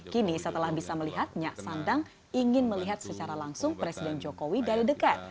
kini setelah bisa melihat nyak sandang ingin melihat secara langsung presiden jokowi dari dekat